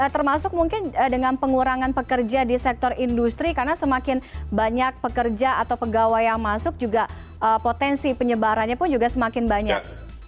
termasuk mungkin dengan pengurangan pekerja di sektor industri karena semakin banyak pekerja atau pegawai yang masuk juga potensi penyebarannya pun juga semakin banyak